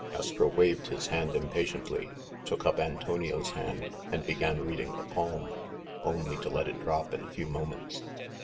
Astro waved his hand impatiently, took up Antonio's hand, and began reading the palm, only to let it drop in a few moments.